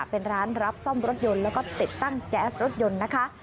เป็นร้านรับซ่อมรถยนต์แล้วก็ติดตั้งแก๊สรถยนต์นะคะ